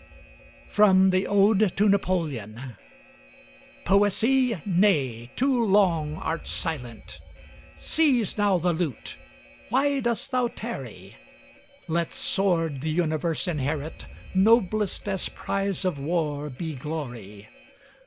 FROM THE 'ODE TO NAPOLEON' Poesy, nay! Too long art silent! Seize now the lute! Why dost thou tarry? Let sword the Universe inherit, Noblest as prize of war be glory.